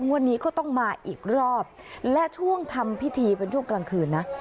วันนี้ก็ต้องมาอีกรอบและช่วงทำพิธีเป็นช่วงกลางคืนนะ